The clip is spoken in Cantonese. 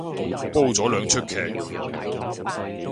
煲咗兩齣劇